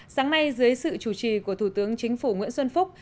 sáng nay dưới sự chủ trì của thủ tướng chính phủ nguyễn xuân phúc